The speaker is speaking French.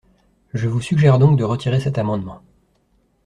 Je vous suggère donc de retirer cet amendement.